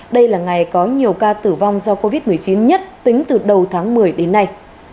đây là ngày có nhiều ca tử vong do covid một mươi chín nhất tính từ đầu tháng một mươi đến nay